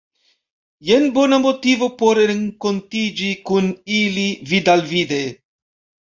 Jen bona motivo por renkontiĝi kun ili vid-al-vide.